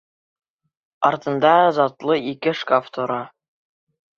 Артында затлы ике шкаф тора.